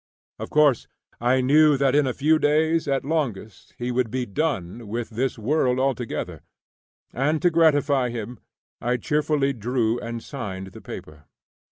Of course, I knew that in a few days at longest he would be "done" with this world altogether, and, to gratify him, I cheerfully drew and signed the paper.